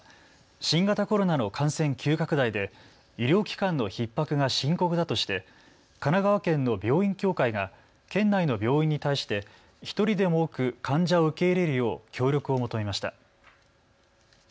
新型コロナの感染急拡大で医療機関のひっ迫が深刻だとして神奈川県の病院協会が県内の病院に対して１人でも多く患者を受け入れるよう協力を求めました。